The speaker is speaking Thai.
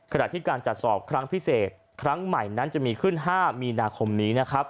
ขณะที่การจัดสอบครั้งพิเศษครั้งใหม่นั้นจะมีขึ้น๕มีนาคมนี้นะครับ